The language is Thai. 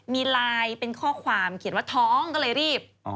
มีไลน์เป็นข้อความเขียนว่าท้องก็เลยรีบ